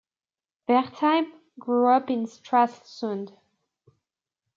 Wertheim grew up in Stralsund.